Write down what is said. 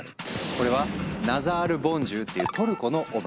これはナザール・ボンジュウっていうトルコのお守り。